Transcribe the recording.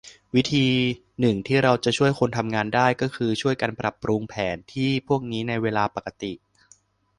วิธีหนึ่งที่เราจะช่วยคนทำงานได้ ก็คือช่วยกันปรับปรุงแผนที่พวกนี้ในเวลาปกติ